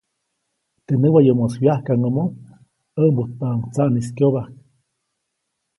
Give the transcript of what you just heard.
Teʼ näwayomoʼis wyajkaʼŋʼomo ʼäʼmbujtpaʼuŋ tsaʼnis kyobajk.